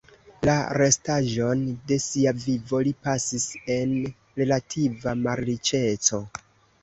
La restaĵon de sia vivo li pasis en relativa malriĉeco.